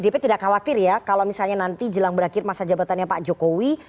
jadi pdp tidak khawatir ya kalau misalnya nanti jelang berakhir masa jabatannya pak jokowi